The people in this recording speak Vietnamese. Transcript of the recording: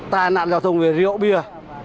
tai nạn giao thông về rượu bia